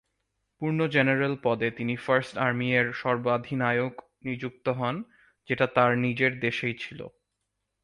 পূর্ণ জেনারেল পদে তিনি 'ফার্স্ট আর্মি' এর সর্বাধিনায়ক নিযুক্ত হন যেটা তার নিজের দেশেই ছিল।